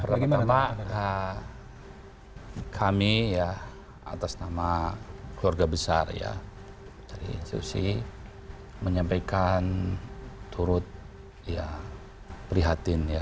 pertama kami atas nama keluarga besar dari institusi menyampaikan turut prihatin